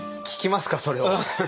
聞きますかそれを。